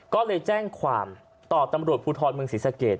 ก็เลยแจ้งความต่อตำรวจภูทรเมืองศรีสะเกด